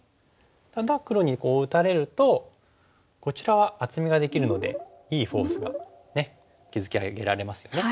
ただ黒にこう打たれるとこちらは厚みができるのでいいフォースが築き上げられますよね。